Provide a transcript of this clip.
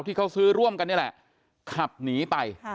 ที่เขาซื้อร่วมกันนี่แหละขับหนีไป